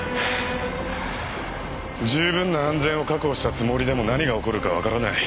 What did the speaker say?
十分な安全を確保したつもりでも何が起こるかわからない。